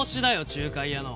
仲介屋の。